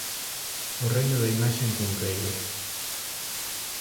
O reino da imaxe en Cunqueiro.